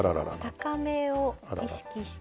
高めを意識して。